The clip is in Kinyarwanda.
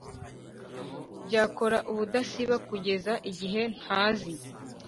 byakora ubudasiba kugeza igihe ntazi